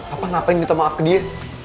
apa ngapain minta maaf ke dia